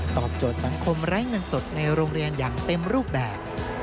โจทย์สังคมไร้เงินสดในโรงเรียนอย่างเต็มรูปแบบ